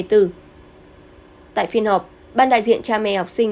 tại phiên họp ban đại diện cha mẹ học sinh